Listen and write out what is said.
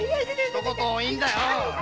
ひと言多いんだよ！